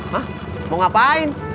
hah mau ngapain